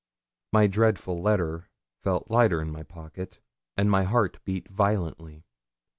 My dreadful letter felt lighter in my pocket, and my heart beat violently.